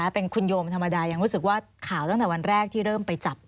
เป็นคุณโยมธรรมดายังรู้สึกว่าข่าวตั้งแต่วันแรกที่เริ่มไปจับ